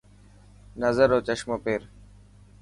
نظر رو چشمو پير.